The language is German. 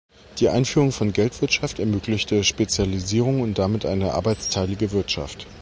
Die Einführung von "Geldwirtschaft" ermöglichte Spezialisierungen und damit eine arbeitsteilige Wirtschaft.